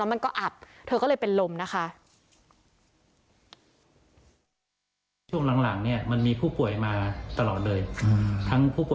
มันร้อนแล้วมันก็อับ